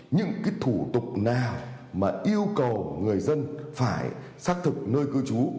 những cái thủ tục nào mà yêu cầu người dân phải xác thực nơi cư trú